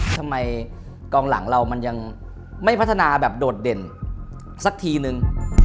กองหลังเรามันยังไม่พัฒนาแบบโดดเด่นสักทีนึง